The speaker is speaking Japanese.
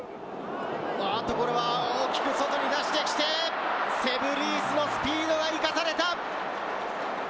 あーっと、これは大きく外に出してきて、セヴ・リースのスピードが生かされた。